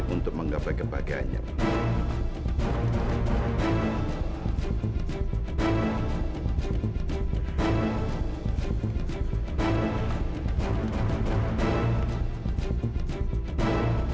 untuk menggabai kebahagiaannya